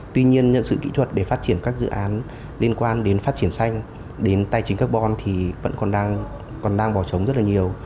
tuy nhiên nhận sự kỹ thuật để phát triển các dự án liên quan đến phát triển xanh đến tài chính carbon thì vẫn còn đang bỏ trống rất là nhiều